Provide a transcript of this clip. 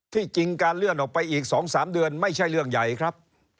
จริงการเลื่อนออกไปอีก๒๓เดือนไม่ใช่เรื่องใหญ่ครับ